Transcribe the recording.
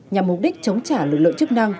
nhằm mục đích chống trả lực lượng chức năng